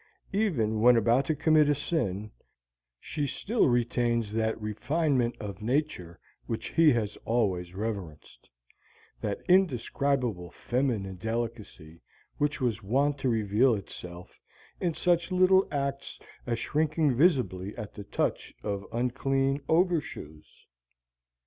Even when about to commit a sin, she still retains that refinement of nature which he has always reverenced, that indescribable feminine delicacy which was wont to reveal itself in such little acts as shrinking visibly at the touch of unclean overshoes.